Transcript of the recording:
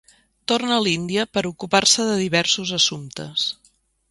Torna a l'Índia per ocupar-se de diversos assumptes.